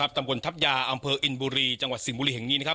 ตำกลทัพยาอำเภออินบุรีจังหวัดสิงห์บุรี